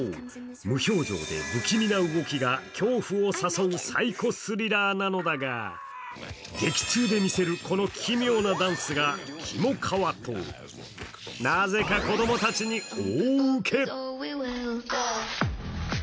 無表情で不気味な動きが恐怖を誘うサイコスリラーなのだが劇中でみせる、この奇妙なダンスが、きもかわとなぜか、子供たちに大ウケ。